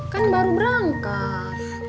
kan baru berangkat